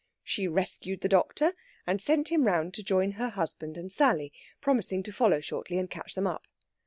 She rescued the doctor, and sent him round to join her husband and Sally, promising to follow shortly and catch them up.